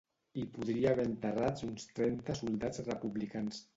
Hi podria haver enterrats uns trenta soldats republicans.